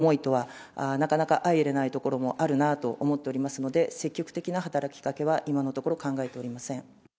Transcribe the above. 維新の会については、私の思いとはなかなか相いれないところもあるなと思っておりますので、積極的な働きかけは、今のところ考えておりません。